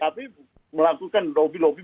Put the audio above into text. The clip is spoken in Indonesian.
tapi melakukan lobby lobby